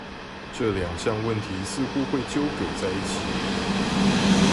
這兩項問題似乎會糾葛在一起